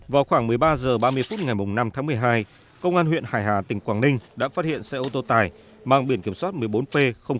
vào khoảng một mươi ba h ba mươi phút ngày năm tháng một mươi hai công an huyện hải hà tỉnh quảng ninh đã phát hiện xe ô tô tải mang biển kiểm soát một mươi bốn p một